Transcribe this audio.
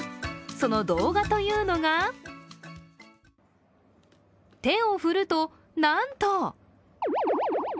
その動画というのが手を振ると、なんと！